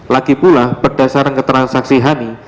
lagi pula berdasarkan keterangan saksi hani